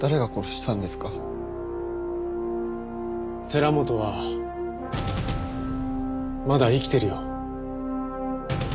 寺本はまだ生きてるよ。